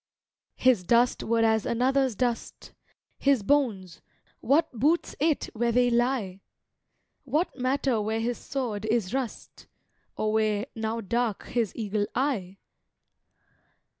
His dust were as another's dust; His bones what boots it where they lie? What matter where his sword is rust, Or where, now dark, his eagle eye?